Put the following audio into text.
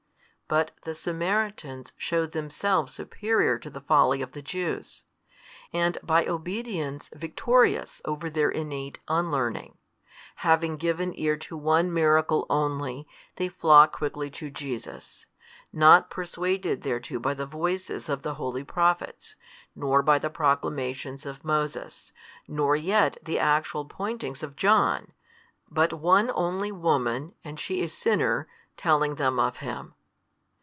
But the Samaritans shew themselves superior to the folly of the Jews, and by obedience victorious over their innate unlearning, having given ear to one miracle only, they flock quickly to Jesus, not persuaded thereto by the voices of the holy Prophets, or by the proclamations |224 of Moses, nor yet the actual pointings of John, but one only woman and she a sinner telling them of Him.